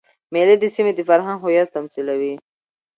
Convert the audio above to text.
مېلې د سیمي د فرهنګ هویت تمثیلوي.